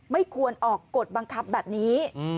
ไม่ควรออกกฎบังคับแบบนี้